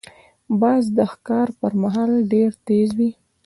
باز د ښکار پر مهال ډېر تیز وي